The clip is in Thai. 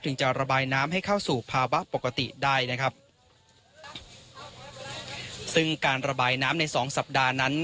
จะระบายน้ำให้เข้าสู่ภาวะปกติได้นะครับซึ่งการระบายน้ำในสองสัปดาห์นั้น